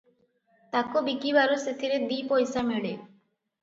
ତାକୁ ବିକିବାରୁ ସେଥିରେ ଦିପଇସା ମିଳେ ।